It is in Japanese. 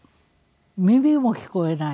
耳も聞こえない。